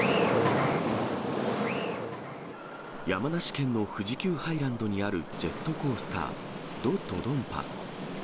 山梨県の富士急ハイランドにあるジェットコースター、ド・ドドンパ。